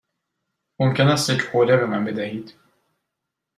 ممکن است یک حوله به من بدهید؟